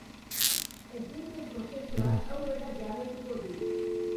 Esleipen prozesuak aurrera jarraituko du.